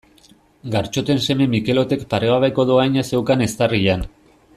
Gartxoten seme Mikelotek paregabeko dohaina zeukan eztarrian.